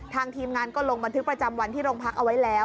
ทีมงานก็ลงบันทึกประจำวันที่โรงพักเอาไว้แล้ว